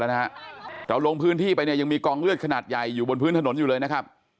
แต่ลงพื้นที่ไปยังมีกองเลือดขนาดใหญ่อยู่บนพื้นถนนอยู่เลยนะครับ